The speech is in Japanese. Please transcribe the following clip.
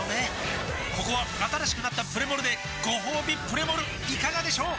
ここは新しくなったプレモルでごほうびプレモルいかがでしょう？